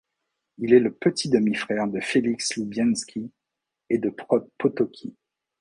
Il est le petit demi-frère de Feliks Lubienski et de Prot Potocki.